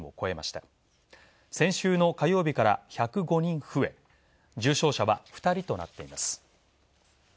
先週の火曜日から１０５人増え重症者は２人です。